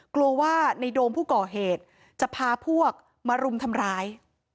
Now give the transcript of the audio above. กลัวว่าในโดมผู้ก่อเหตุจะพาพวกมารุมทำร้าย